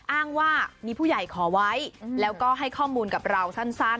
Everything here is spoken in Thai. อ้างว่ามีผู้ใหญ่ขอไว้แล้วก็ให้ข้อมูลกับเราสั้น